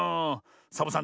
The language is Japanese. サボさん